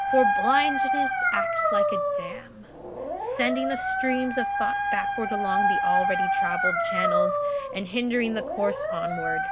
For blindness acts like a dam, sending the streams of thought backward along the already travelled channels and hindering the course onward.